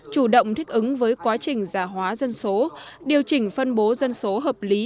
chủ động thích ứng với quá trình giả hóa dân số điều chỉnh phân bố dân số hợp lý